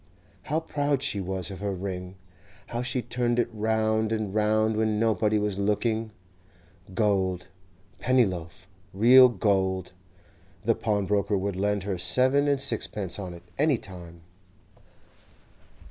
How proud she was of her ring! How she turned it round and round when nobody was looking! Gold, Pennyloaf, real gold! The pawnbroker would lend her seven and sixpence on it, any time.